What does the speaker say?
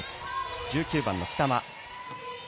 １９番の北間。